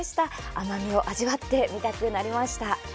甘み、味わってみたいなと思いました。